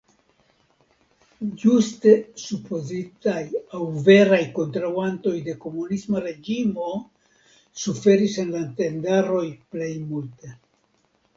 Ĝuste supozitaj aŭ veraj kontraŭantoj de komunisma reĝimo suferis en la tendaroj plej multe.